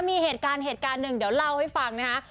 มีเหตุการณ์เราให้ฟังนะครับ